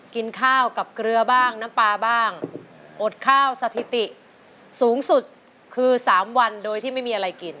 กินข้าวกับเกลือบ้างน้ำปลาบ้างอดข้าวสถิติสูงสุดคือ๓วันโดยที่ไม่มีอะไรกิน